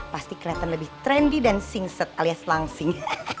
pasti keliatan lebih trendy dan sing set alias langsing